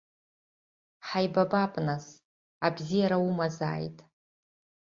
Ҳаибабап, нас, абзиара умазааит.